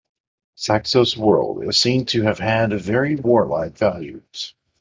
Saxo's world is seen to have had very warlike values.